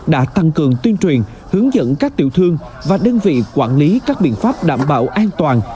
đã tăng cường tuyên truyền hướng dẫn các tiểu thương và đơn vị quản lý các biện pháp đảm bảo an toàn